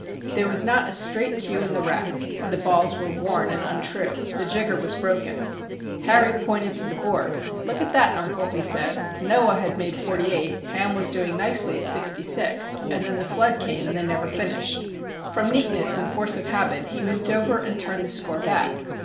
There was not a straight cue in the rack, the balls were worn and untrue, the jigger was broken. Harry pointed to the board. "Look at that, uncle," he said. "Noah had made forty eight; Ham was doing nicely at sixty six; and then the Flood came and they never finished." From neatness and force of habit he moved over and turned the score back.